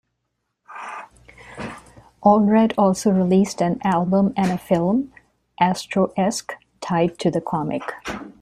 Allred also released an album and a film, "Astroesque", tied to the comic.